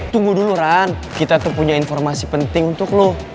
eh tunggu dulu ran kita tuh punya informasi penting untuk lo